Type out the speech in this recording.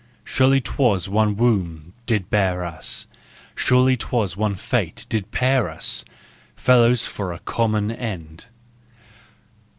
Surely 'twas one womb did bear us, Surely 'twas one fate did pair us, Fellows for a common end.